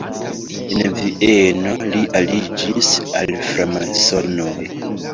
En Vieno li aliĝis al framasonoj.